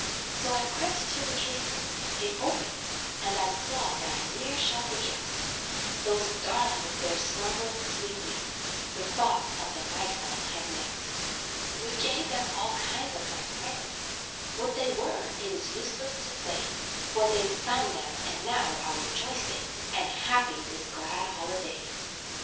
So I crept to the casement it opened, And I saw what I ne'er shall forget Those darlings there slumbering sweetly, The thoughts of the night fall had met. We gave them all kinds of nice presents, What they were, it is useless to say; For they've found them and now are rejoicing, And happy this glad holiday.